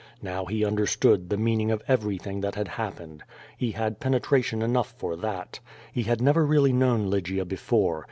Now he understood the meaning of everything that had happened. He had penetration enough for that. He had never really known Lygia before.